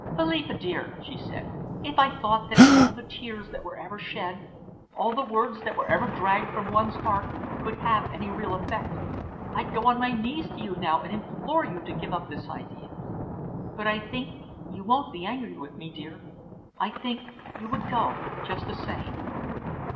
"Philippa dear," she said, "if I thought that all the tears that were ever shed, all the words that were ever dragged from one's heart, could have any real effect, I'd go on my knees to you now and implore you to give up this idea. But I think you won't be angry with me, dear? I think you would go just the same."